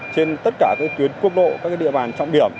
trên tất cả các tuyến quốc độ các địa bàn trọng điểm